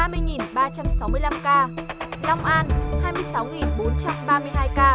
tp hcm hai trăm sáu mươi năm tám trăm bốn mươi sáu ca đồng an hai mươi sáu bốn trăm ba mươi hai ca